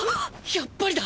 やっぱりだ！！